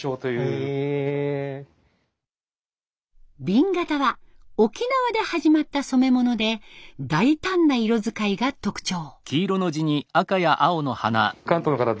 紅型は沖縄で始まった染め物で大胆な色使いが特徴。